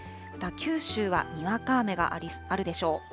また九州はにわか雨があるでしょう。